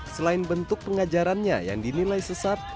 selain bentuk pengajarannya yang dinilai sesat